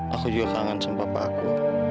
aku juga kangen sama papa aku